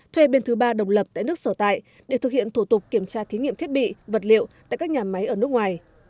thuê bên thứ ba đồng lập tại nước sở tại để thực hiện thủ tục kiểm tra thiết bị vật liệu tại các nhà máy ở nước ngoài